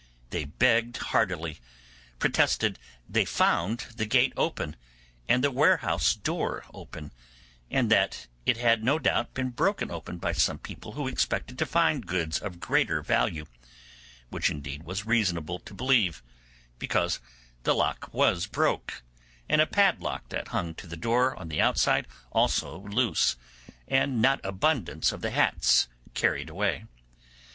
They begged heartily, protested they found the gate open, and the warehouse door open; and that it had no doubt been broken open by some who expected to find goods of greater value: which indeed was reasonable to believe, because the lock was broke, and a padlock that hung to the door on the outside also loose, and an abundance of the hats carried away.